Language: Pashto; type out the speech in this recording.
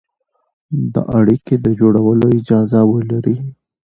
د اړيکې د جوړولو اجازه ولري،